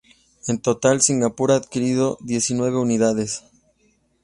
En total, Singapur ha adquirido diecinueve unidades.